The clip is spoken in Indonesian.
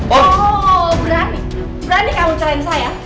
oh berani berani kamu cerahin saya